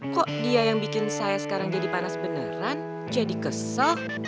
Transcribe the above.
kok dia yang bikin saya sekarang jadi panas beneran jadi kesel